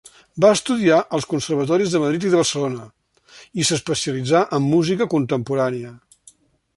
Va estudiar als Conservatoris de Madrid i de Barcelona, i s'especialitzà en música contemporània.